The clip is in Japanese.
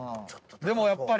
でもやっぱり。